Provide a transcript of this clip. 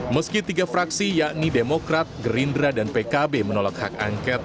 meski tiga fraksi yakni demokrat gerindra dan pkb menolak hak angket